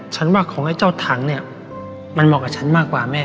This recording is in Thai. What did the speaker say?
ฉันว่าของไอ้เจ้าถังเนี่ยมันเหมาะกับฉันมากกว่าแม่